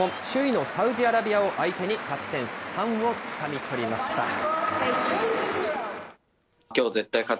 首位のサウジアラビアを相手に、勝ち点３をつかみとりました。